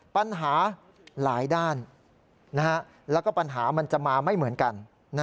ปัญหาหลายด้านแล้วก็ปัญหามันจะมาไม่เหมือนกัน